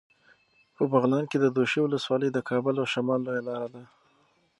په بغلان کې د دوشي ولسوالي د کابل او شمال لویه لاره ده.